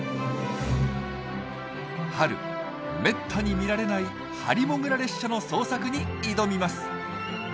春めったに見られないハリモグラ列車の捜索に挑みます。